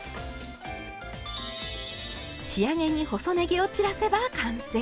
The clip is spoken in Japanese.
仕上げに細ねぎを散らせば完成。